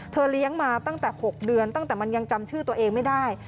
เลี้ยงมาตั้งแต่๖เดือนตั้งแต่มันยังจำชื่อตัวเองไม่ได้